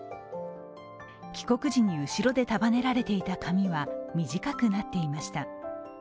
帰国時に後ろで束ねられていた髪は短くなっていました。